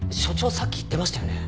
さっき言ってましたよね？